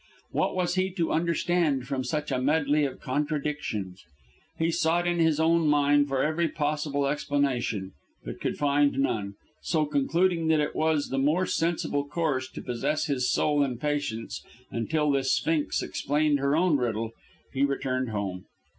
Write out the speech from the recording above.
What was he to understand from such a medley of contradictions? He sought in his own mind for every possible explanation, but could find none, so concluding that it was the more sensible course to possess his soul in patience until this sphinx explained her own riddle, he returned home.